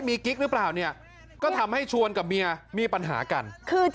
มีกิ๊กหรือเปล่าเนี่ยก็ทำให้ชวนกับเมียมีปัญหากันคือจะ